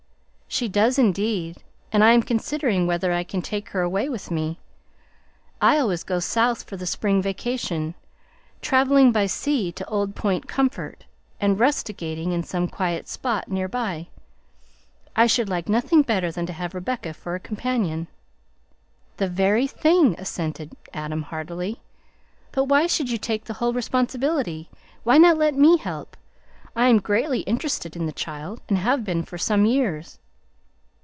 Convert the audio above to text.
"She does indeed, and I am considering whether I can take her away with me. I always go South for the spring vacation, traveling by sea to Old Point Comfort, and rusticating in some quiet spot near by. I should like nothing better than to have Rebecca for a companion." "The very thing!" assented Adam heartily; "but why should you take the whole responsibility? Why not let me help? I am greatly interested in the child, and have been for some years."